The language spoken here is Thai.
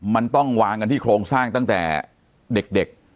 มันต้องวางกันที่โครงสร้างตั้งแต่เด็ก